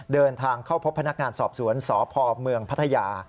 เดินทางเข้าพบพนักงานสอบสวนสพเมืองพัทยา